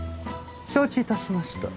承知致しました。